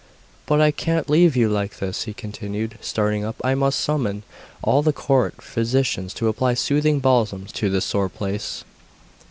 'But I can't leave you like this,' he continued, starting up, 'I must summon all the court physicians to apply soothing balsams to the sore place!